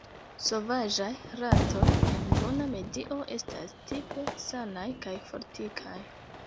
Sovaĝaj ratoj en bona medio estas tipe sanaj kaj fortikaj.